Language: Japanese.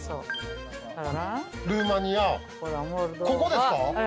ここですか？